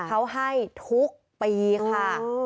เขาให้ทุกปีค่ะ